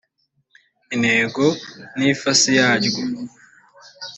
intego n ifasi yaryo